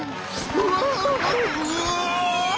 うわ！